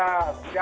selamat pagi pak